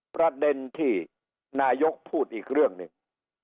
ประเด็นที่นายกพูดอีกเรื่องหนึ่ง